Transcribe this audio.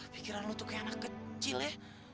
pikiran lu tuh kayak anak kecil ya